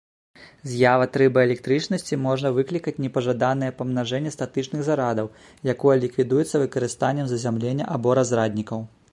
З'ява трыбаэлектрычнасці можа выклікаць непажаданае памнажэнне статычных зарадаў, якое ліквідуецца выкарыстаннем зазямлення або разраднікаў.